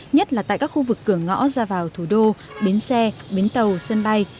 nhất là tại các khu vực cửa ngõ ra vào thủ đô bến xe bến tàu sân bay